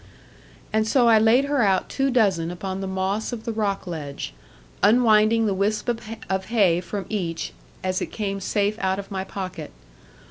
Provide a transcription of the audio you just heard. And so I laid her out two dozen upon the moss of the rock ledge, unwinding the wisp of hay from each as it came safe out of my pocket.